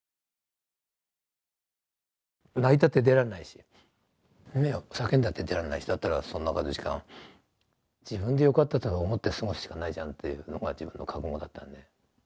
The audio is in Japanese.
泣いたって出られないし叫んだって出られないしだったらその中の時間自分で良かったと思って過ごすしかないじゃんというのが自分の覚悟だったんで。